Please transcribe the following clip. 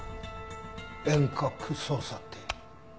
遠隔操作って？